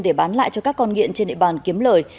để bán lại cho các con nghiện trên địa bàn kiếm lời